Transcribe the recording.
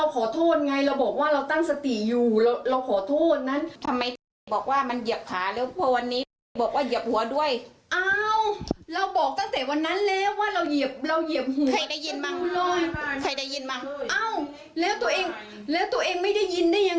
พี่กับคำทุกอย่างเลย